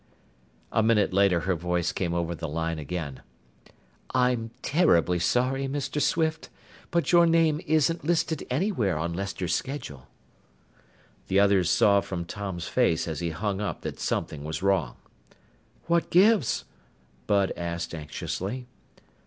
A minute later her voice came over the line again. "I'm terribly sorry, Mr. Swift, but your name isn't listed anywhere on Lester's schedule." The others saw from Tom's face as he hung up that something was wrong. "What gives?" Bud asked anxiously.